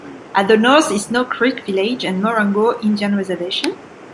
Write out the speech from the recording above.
At the north is Snow Creek Village and the Morongo Indian Reservation.